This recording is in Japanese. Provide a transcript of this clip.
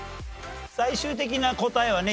最終的な答えはね